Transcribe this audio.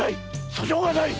訴状がない！